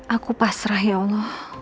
aku pasrah ya allah